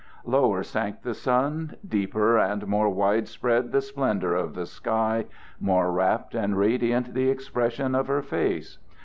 Lower sank the sun, deeper and more wide spread the splendor of the sky, more rapt and radiant the expression of her face.